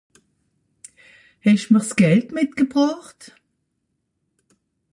Hesch'm'r s'Gald mitgebrocht?